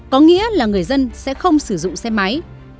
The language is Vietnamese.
có nghĩa là người dân sẽ không sử dụng xe máy